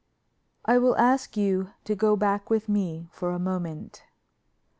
I will ask you to go back with me for a moment.